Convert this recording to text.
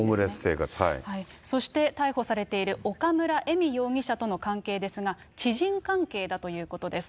そして、逮捕されている岡村恵美容疑者との関係ですが、知人関係だということです。